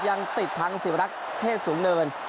ยังติดทางศิวรักษ์เทศสูงเนิน